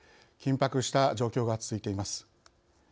緊迫した状況が続いています。